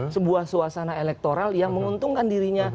sebuah suasana elektoral yang menguntungkan dirinya